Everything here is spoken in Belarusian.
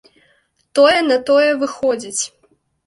Тое на тое выходзіць.